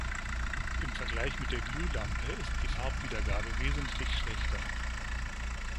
Im Vergleich mit der Glühlampe ist die Farbwiedergabe wesentlich schlechter.